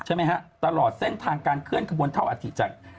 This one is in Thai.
ใช่ไหมฮะตลอดเส้นทางการเคลื่อนขบวนเท่าอาทิตจาก